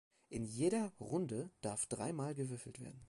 In jeder "Runde" darf drei Mal gewürfelt werden.